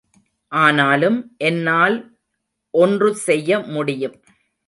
ஆனாலும் என்னால் ஒன்று செய்ய முடியும்!